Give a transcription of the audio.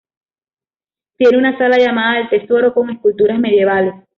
Tiene una sala, llamada del tesoro, con esculturas medievales.